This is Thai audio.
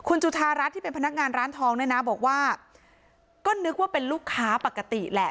คุณจุธารัฐที่เป็นพนักงานร้านทองเนี่ยนะบอกว่าก็นึกว่าเป็นลูกค้าปกติแหละ